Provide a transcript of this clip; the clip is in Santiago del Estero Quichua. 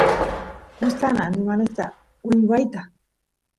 gustan animalesta uywata